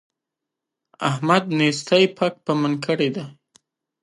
احمد نېستۍ پک پمن کړی دی.